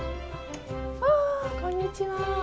うわこんにちは。